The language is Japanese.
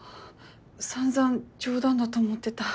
散々冗談だと思ってた。